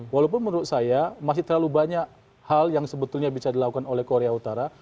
walaupun menurut saya masih terlalu banyak hal yang sebetulnya bisa dilakukan oleh korea utara